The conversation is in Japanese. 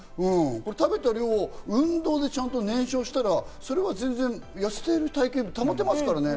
食べた量を運動でちゃんと燃焼したら、それは痩せている体形を保てますからね。